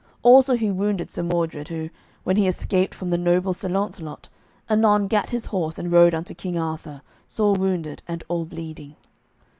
Also he wounded Sir Mordred, who, when he escaped from the noble Sir Launcelot, anon gat his horse and rode unto King Arthur, sore wounded and all bleeding.